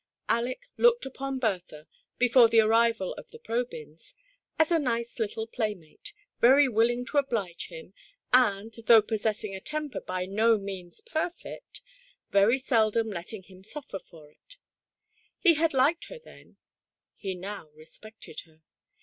Aleck had looked upon Bertha, before the arrival of the Probyns, as a nice little playmate, very willing to oblige him, and, though possessing a temper by no means per fect, very seldom letting him suflfer from it. He had liked her then, he now respected her.